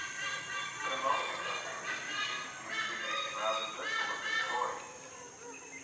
"But, a moment ago, David, you seemed to me to be making rather little of his glory."